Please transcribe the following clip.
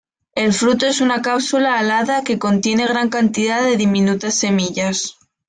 El fruto es una cápsula alada que contiene gran cantidad de diminutas semillas.